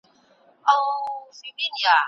سیلانیان د عکس اخیستلو لپاره ولاړ دي.